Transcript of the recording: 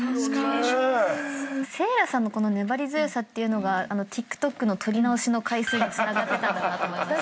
聖蘭さんのこの粘り強さっていうのがあのＴｉｋＴｏｋの撮り直しの回数につながってたんだなと思いました。